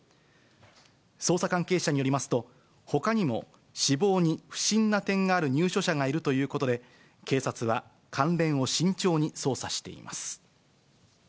捜査関係者によりますと、ほかにも死亡に不審な点がある入所者がいるということで、警察は関連を慎重に捜査しています。